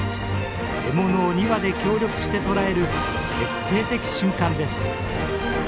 獲物を２羽で協力して捕らえる決定的瞬間です。